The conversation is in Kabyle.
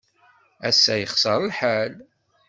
Ass-a, yexṣer lḥal.